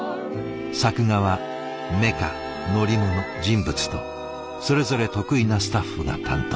作画はメカ乗り物人物とそれぞれ得意なスタッフが担当。